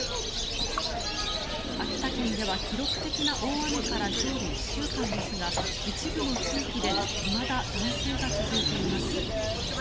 秋田県では記録的な大雨から今日で１週間ですが一部の地域でいまだ断水が続いています。